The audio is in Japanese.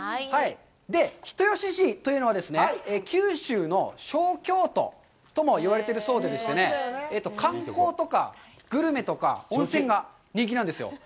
で、人吉市というのは、“九州の小京都”とも呼ばれているそうで、観光とかグルメとか温泉が人気なんですよ。